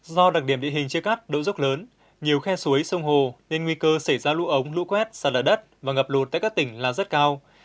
do đặc điểm địa hình chia cắt độ dốc lớn nhiều khe suối sông hồ nên nguy cơ xảy ra lũ ống lũ quét sạt lở đất và ngập lụt tại các tỉnh là rất cao